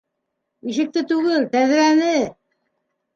Ишекте түгел, тәҙрәне!